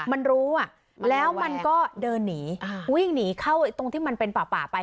มันรู้อ่ะแล้วมันก็เดินหนีวิ่งหนีเข้าตรงที่มันเป็นป่าไป